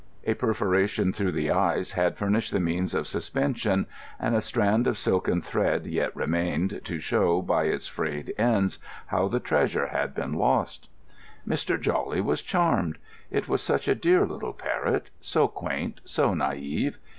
A perforation through the eyes had furnished the means of suspension, and a strand of silken thread yet remained, to show, by its frayed ends, how the treasure had been lost. Mr. Jawley was charmed. It was such a dear little parrot, so quaint, so naïve.